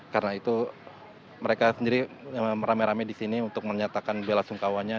karena itu mereka sendiri merame rame di sini untuk menyatakan bela sungkawanya